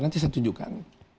nanti saya tunjukkan